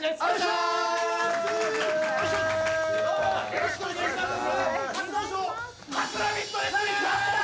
よろしくお願いします。